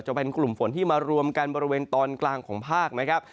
จะเป็นกลุ่มฝนที่มารวมกันบริเวณตอนกลางของภาคนะครับ